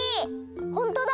ほんとだ！